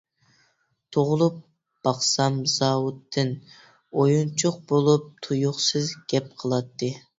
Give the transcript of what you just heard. تۇغۇلۇپ باقسام زاۋۇتتىن، ئويۇنچۇق بولۇپ، تۇيۇقسىز گەپ قىلاتتىم.